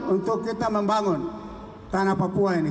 untuk kita membangun tanah papua ini